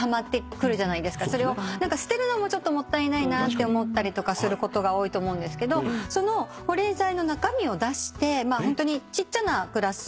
何か捨てるのもちょっともったいないなって思ったりとかすることが多いと思うんですけどその保冷剤の中身を出してホントにちっちゃなグラス